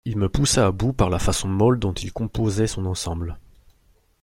Il me poussa à bout par la façon molle dont il composait son ensemble.